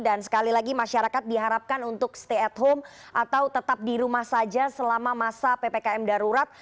dan sekali lagi masyarakat diharapkan untuk stay at home atau tetap di rumah saja selama masa ppkm darurat